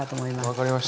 分かりました。